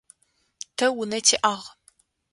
Тэ унэ тиӏагъ.